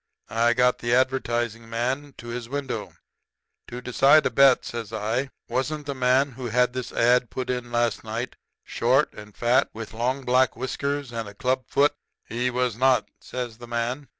I got the advertising man to his window. "'To decide a bet,' says I, 'wasn't the man who had this ad. put in last night short and fat, with long black whiskers and a club foot?' "'He was not,' says the man.